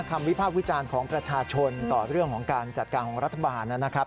วิพากษ์วิจารณ์ของประชาชนต่อเรื่องของการจัดการของรัฐบาลนะครับ